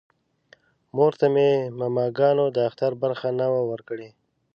مور ته مې ماماګانو د اختر برخه نه وه ورکړې